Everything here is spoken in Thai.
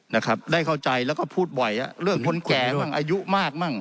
นะครับได้เข้าใจแล้วก็พูดบ่อยอ่ะเรื่องคนแก่มั่งอายุมากมั่ง